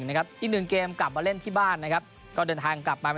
อีก๑เกมกลับมาเล่นที่บ้านก็เดินฐานกลับไป